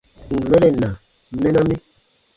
Ǹ n mɛren na, mɛna mi.